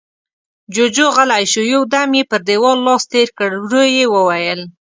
جُوجُو غلی شو، يو دم يې پر دېوال لاس تېر کړ، ورو يې وويل: